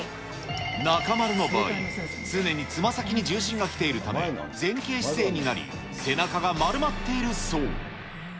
中丸の場合、常につま先に重心がきているため、前傾姿勢になり、背中が丸まっているそう。